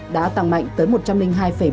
đã tăng mạnh tới một trăm linh hai ba